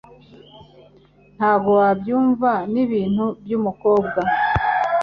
Ntabwo wabyumva. Nibintu byumukobwa.